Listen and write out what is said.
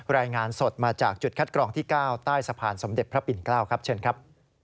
รายงานสดมาจากจุดคัดกรองที่๙ใต้สะพานสมเด็จพระปิ่นเกล้าครับเชิญครับ